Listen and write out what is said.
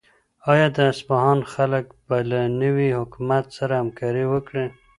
آیا د اصفهان خلک به له نوي حکومت سره همکاري وکړي؟